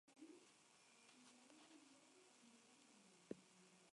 Antes de convertirse en escritora, fue profesora de escuela.